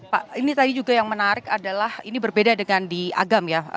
pak ini tadi juga yang menarik adalah ini berbeda dengan di agam ya